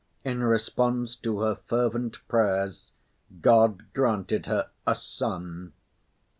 In response to her fervent prayers, God granted her a son!